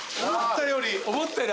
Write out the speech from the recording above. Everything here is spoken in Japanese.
思ったより。